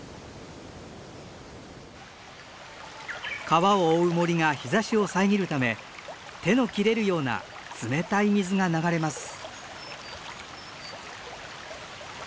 川を覆う森が日ざしを遮るため手の切れるような冷たい水が流れます。